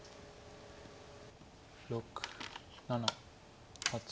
６７８。